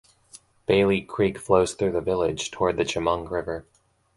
Bailey Creek flows through the village toward the Chemung River.